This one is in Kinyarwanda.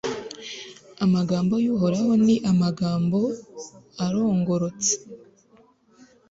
amagambo y'uhoraho ni amagambo arongorotse